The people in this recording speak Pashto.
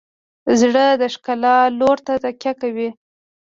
زړه د ښکلا لور ته تکیه کوي.